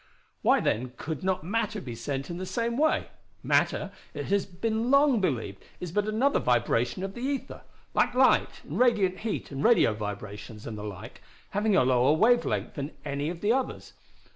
"Why then could not matter be sent in the same way? Matter, it has been long believed, is but another vibration of the ether, like light and radiant heat and radio vibrations and the like, having a lower wave length than any of the others.